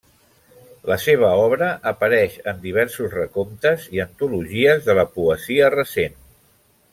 La seva obra apareix en diversos recomptes i antologies de la poesia recent.